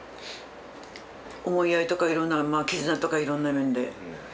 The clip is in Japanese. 思いやりとかいろんな絆とかいろんな面で。